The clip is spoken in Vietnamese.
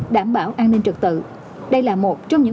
đảm bảo an ninh trật tự